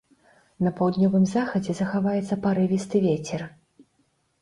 На паўднёвым захадзе захаваецца парывісты вецер.